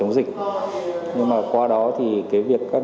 hoạt động những diễn biến này